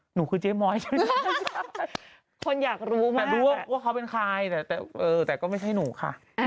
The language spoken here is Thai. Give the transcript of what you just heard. หนูหรือเปล่าลูก